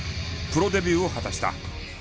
プロデビューを果たした。